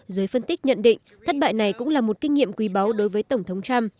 giới phân tích nhận định thất bại này cũng là một kinh nghiệm quý báu đối với tổng thống trump